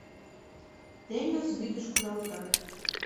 Теҥыз вӱдыш кудалтат.